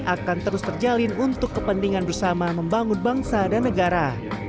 akan terus terjalin untuk kepentingan bersama membangun bangsa dan negara